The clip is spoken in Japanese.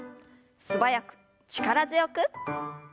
素早く力強く。